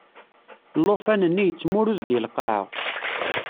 Llufan-nni yettmurud deg lqaɛa.